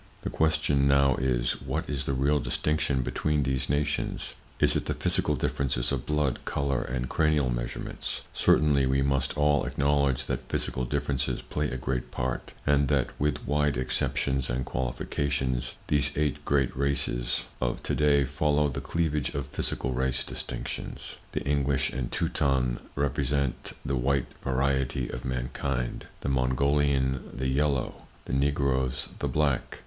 The question now is: What is the real distinction between these nations? Is it the physical differences of blood, color and cranial measurements? Certainly we must all acknowledge that physical differences play a great part, and that, with wide exceptions and qualifications, these eight great races of to day follow the cleavage of physical race distinctions; the English and Teuton represent the white variety of mankind; the Mongolian, the yellow; the Negroes, the black.